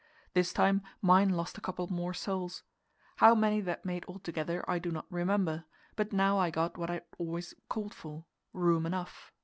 This time mine lost a couple more soles. How many that made altogether I do not remember, but now I got what I had always called for room enough.